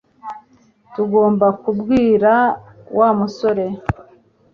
Tugomba kubwira Wa musore